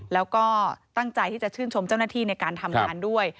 แล้วก็ตั้งใจที่จะชื่นชมเจ้าหน้าที่ในการทำงานด้วย